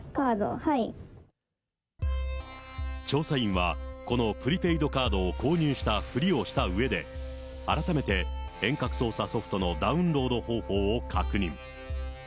調査員はこのプリペイドカードを購入したふりをしたうえで、改めて、遠隔操作ソフトのダウンロード方法を確認。